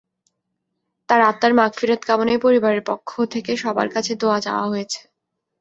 তাঁর আত্মার মাগফিরাত কামনায় পরিবারের পক্ষ থেকে সবার কাছে দোয়া চাওয়া হয়েছে।